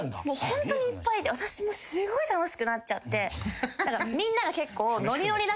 ホントにいっぱいいて私もすごい楽しくなっちゃって。